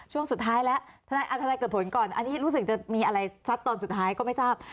ช่วงสุดท้ายแล้วทนายเกิดผลก่อนอันนี้รู้สึกจะมีอะไรซัดตอนสุดท้ายก็ไม่ทราบ